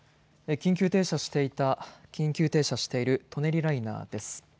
緊急停車していた緊急停車している舎人ライナーです。